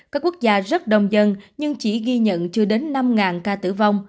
các quốc gia rất đông dân nhưng chỉ ghi nhận chưa đến năm ca tử vong